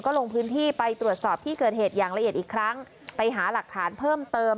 ลงพื้นที่ไปตรวจสอบที่เกิดเหตุอย่างละเอียดอีกครั้งไปหาหลักฐานเพิ่มเติม